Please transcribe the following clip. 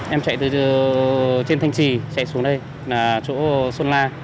em chạy từ trên thanh trì chạy xuống đây là chỗ xuân la